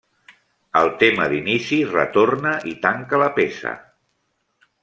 El tema d'inici retorna i tanca la peça.